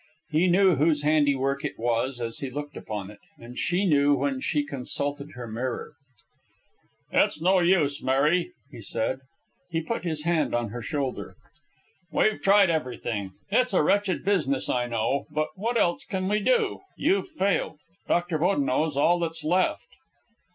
He knew whose handiwork it was as he looked upon it, and she knew when she consulted her mirror. "It's no use, Mary," he said. He put his hand on her shoulder. "We've tried everything. It's a wretched business, I know, but what else can we do? You've failed. Doctor Bodineau's all that's left."